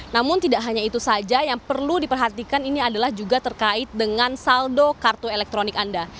namun tidak hanya itu saja yang perlu diperhatikan ini adalah juga terkait dengan saldo kartu elektronik anda